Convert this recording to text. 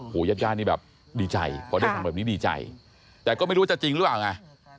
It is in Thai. ญาติญาตินี่แบบดีใจพอได้ฟังแบบนี้ดีใจแต่ก็ไม่รู้ว่าจะจริงหรือเปล่าไง